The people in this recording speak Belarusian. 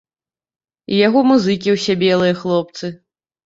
І яго музыкі ўсе белыя хлопцы!